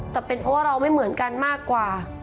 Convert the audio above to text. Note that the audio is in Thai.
แต่เป็นเพราะว่าเราไม่เหมือนกันมากกว่า